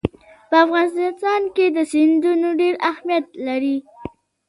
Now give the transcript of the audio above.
په افغانستان کې سیندونه ډېر اهمیت لري.